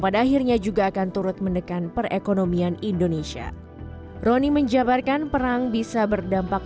pada akhirnya juga akan turut menekan perekonomian indonesia roni menjabarkan perang bisa berdampak